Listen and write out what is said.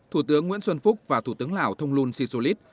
thủ tướng nguyễn xuân phúc và thủ tướng lào thông luân si sô lít